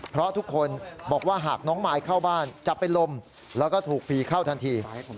เพราะทุกคนบอกว่าหากน้องมายเข้าบ้านจะเป็นลมแล้วก็ถูกผีเข้าทันที